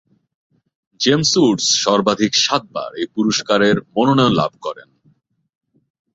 James Woods সর্বাধিক সাতবার এই পুরস্কারের মনোনয়ন লাভ করেন।